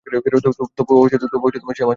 তবুও সে আমার ছেলে।